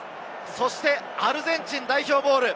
そして、アルゼンチン代表ボール。